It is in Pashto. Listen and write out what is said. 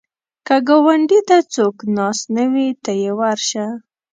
که ګاونډي ته څوک ناست نه وي، ته یې ورشه